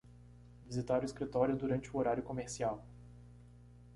Visitar o escritório durante o horário comercial